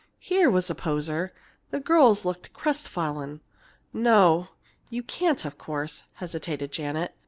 Here was a poser! The girls looked crestfallen. "No you can't, of course," hesitated Janet.